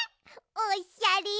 おっしゃれ。